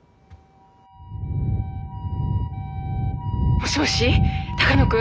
もしもし鷹野君？